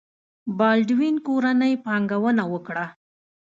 بالډوین کورنۍ پانګونه وکړه.